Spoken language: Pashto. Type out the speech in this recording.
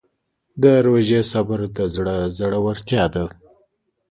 د روژې صبر د زړه زړورتیا ده.